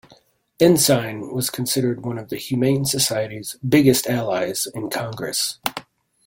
Ensign was considered one of the Humane Society's biggest allies in Congress.